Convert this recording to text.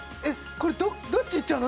これどっちいっちゃうの！？